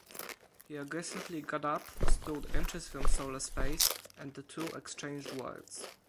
He aggressively got up, stood inches from Sola's face and the two exchanged words.